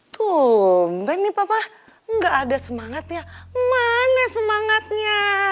tumben nih papa gak ada semangatnya mana semangatnya